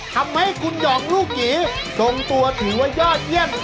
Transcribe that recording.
ทำให้คุณหยอกลูกหยีทรงตัวถือว่ายอดเยี่ยม